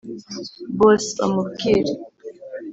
boss bamubwire.